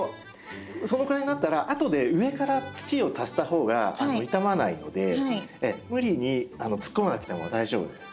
そのくらいになったら後で上から土を足した方が傷まないので無理に突っ込まなくても大丈夫です。